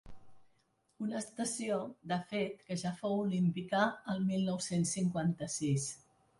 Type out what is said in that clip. Una estació, de fet, que ja fou olímpica el mil nou-cents cinquanta-sis.